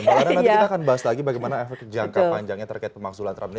karena nanti kita akan bahas lagi bagaimana efek jangka panjangnya terkait pemaksulan trump ini